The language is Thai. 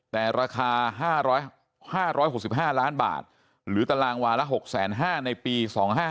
แต่ราคา๕๖๕ล้านบาทหรือตารางวาละ๖๕๐๐ในปี๒๕๕